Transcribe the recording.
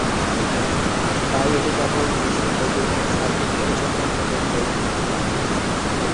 তাই এটি কেবল ডিসি বৈদ্যুতিন সার্কিট এর জন্য প্রযোজ্য।